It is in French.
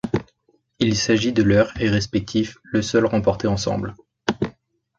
Il s'agit de leur et respectif, le seul remporté ensemble.